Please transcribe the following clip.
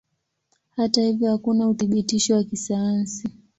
Hata hivyo hakuna uthibitisho wa kisayansi.